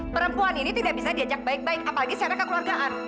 perempuan ini tidak bisa diajak baik baik apalagi secara kekeluargaan